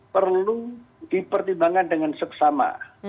perlu dipertimbangkan dengan seksama